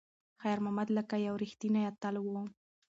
خیر محمد لکه یو ریښتینی اتل و.